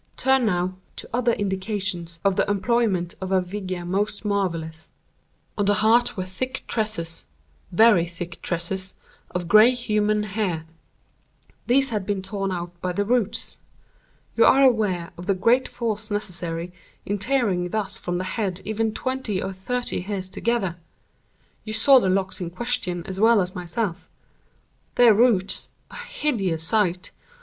_ "Turn, now, to other indications of the employment of a vigor most marvellous. On the hearth were thick tresses—very thick tresses—of grey human hair. These had been torn out by the roots. You are aware of the great force necessary in tearing thus from the head even twenty or thirty hairs together. You saw the locks in question as well as myself. Their roots (a hideous sight!)